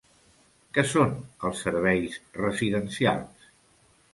Què són els serveis residencials?